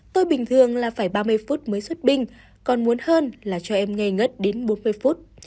tôi bình thường là phải ba mươi phút mới xuất binh còn muốn hơn là cho em nghe ngất đến bốn mươi phút